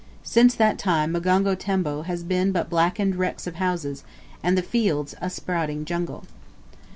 Since that time Mgongo Tembo has been but blackened wrecks of houses, and the fields a sprouting jungle.